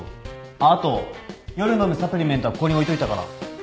あっあと夜飲むサプリメントはここに置いといたから。